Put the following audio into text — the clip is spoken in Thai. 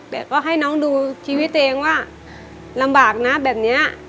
แต่ก็ให้น้องดูชีวิตตัวเองว่าลำบากนะแบบนี้